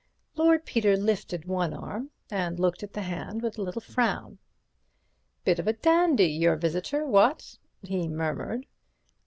Lord Peter lifted one arm, and looked at the hand with a little frown. "Bit of a dandy, your visitor, what?" he murmured.